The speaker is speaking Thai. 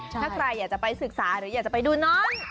ถ้าใครอยากจะไปศึกษาหรืออยากจะไปดูน้อง